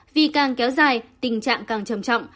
vi càng kéo dài tình trạng càng trầm trọng